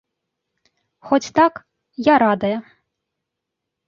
Хоць так, я радая.